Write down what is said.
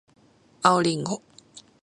青りんご